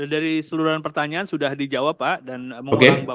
dari seluruh pertanyaan sudah dijawab pak